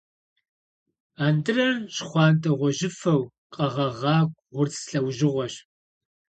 Антӏырэр щхъуантӏэ-гъуэжьыфэу къэгъагъэ гъурц лӏэужьыгъуэщ.